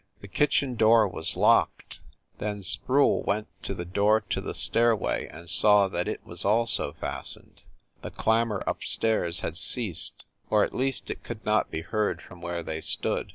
The kitchen door was locked, then Sproule went to the door to the stair way and saw that it was also fastened. The clamor up stairs had ceased, or at least it could not be heard from where they stood.